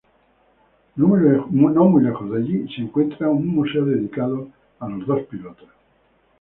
No muy lejos de allí se encuentra un museo dedicado a los dos pilotos.